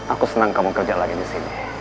aku senang kamu kerja lagi di sini